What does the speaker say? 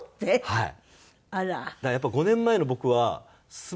はい。